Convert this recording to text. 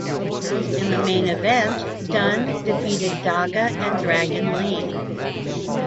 In the main event Dunne defeated Daga and Dragon Lee.